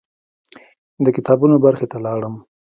د کتابونو برخې ته لاړم.